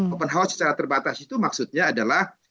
open house secara terbatas itu maksudnya adalah